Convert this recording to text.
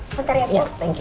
sebentar ya dok